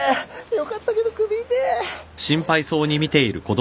よかったけど首痛ぇ！